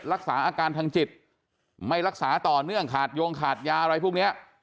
รักษาอาการทางจิตไม่รักษาต่อเนื่องขาดโยงขาดยาอะไรพวกนี้